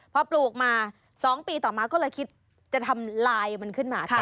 พอปลูกมา๒ปีต่อมาก็เลยคิดจะทำลายมันขึ้นมา